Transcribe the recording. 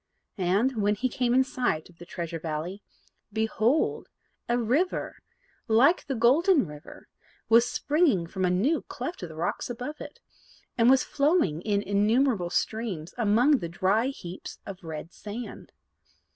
And, when he came in sight of the Treasure Valley, behold, a river, like the Golden River was springing from a new cleft of the rocks above it, and was flowing in innumerable streams among the dry heaps of red sand.